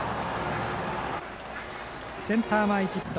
センター前ヒット。